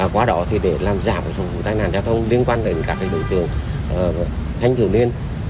quá đó thì để làm giảm tài nạn giao thông liên quan đến các đối tượng thanh thiếu niên